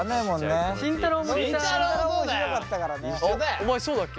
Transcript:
お前そうだっけ？